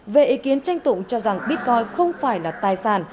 về ý kiến tranh tụng cho rằng bitcoin không phải là tài sản